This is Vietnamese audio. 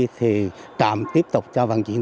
thì trạm tiếp tục